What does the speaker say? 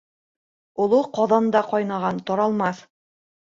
Оло ҡаҙанда ҡайнаған таралмаҫ.